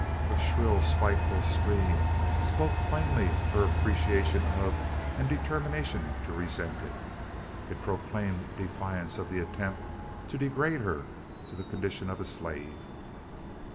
A shrill spiteful scream spoke plainly her appreciation of and determination to resent it. It proclaimed defiance of the attempt to degrade her to the condition of a slave!